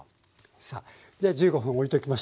さあじゃあ１５分おいときましょう。